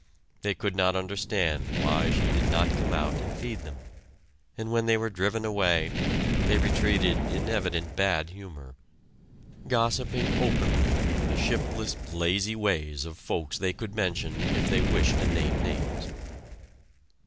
They could not understand why she did not come out and feed them, and when they were driven away they retreated in evident bad humor, gossiping openly of the shiftless, lazy ways of folks they could mention, if they wished to name names.